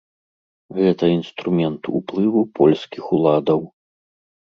Гэта інструмент уплыву польскіх уладаў.